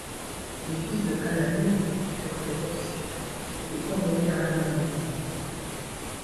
Les fils de Al-Amîn furent faits captifs et envoyés à Al-Ma'mûn.